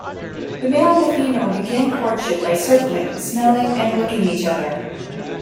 The male and the female begin courtship by circling, smelling and licking each other.